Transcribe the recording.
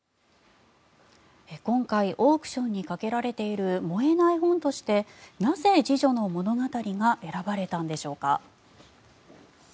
今回オークションにかけられている燃えない本としてなぜ「侍女の物語」が選ばれたんでしょうか。